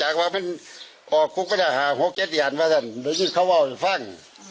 หมอโน้ตไปนอนมาค์มึงก็คิดต่อกัน